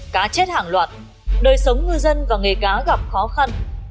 cá chết hàng loạt đời sống ngư dân và nghề cá gặp khó khăn